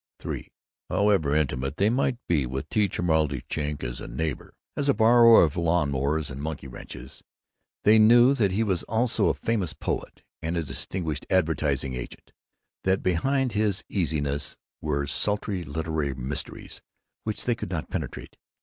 III However intimate they might be with T. Cholmondeley Frink as a neighbor, as a borrower of lawn mowers and monkey wrenches, they knew that he was also a Famous Poet and a distinguished advertising agent; that behind his easiness were sultry literary mysteries which they could not penetrate.